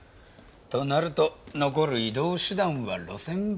となると残る移動手段は路線バスか。